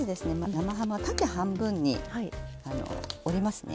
生ハムは縦半分に折りますね。